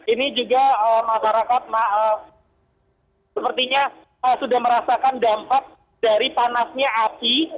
ini juga masyarakat sepertinya sudah merasakan dampak dari panasnya api